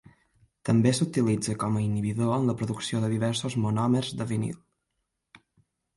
També s'utilitza com a inhibidor en la producció de diversos monòmers de vinil.